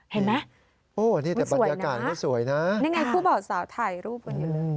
เห็นไหมไม่สวยนะนี่ไงคู่บ่าวสาวถ่ายรูปกันอยู่เลยไม่สวยนะ